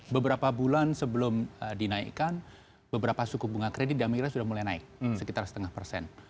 beberapa bulan sebelum dinaikkan beberapa suku bunga kredit damira sudah mulai naik sekitar setengah persen